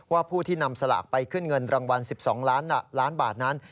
ผู้ที่นำสลากไปขึ้นเงินรางวัล๑๒ล้านบาทนั้น